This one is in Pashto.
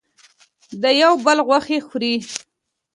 یو د بل غوښې خوري.